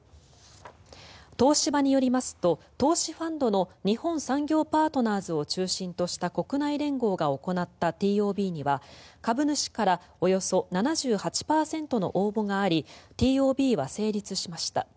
東芝によりますと投資ファンドの日本産業パートナーズを中心とした国内連合が行ったＴＯＢには株主からおよそ７８％の応募がありＴＯＢは成立しました。